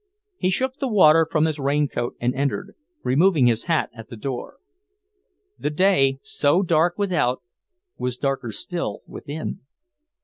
He shook the water from his raincoat and entered, removing his hat at the door. The day, so dark without, was darker still within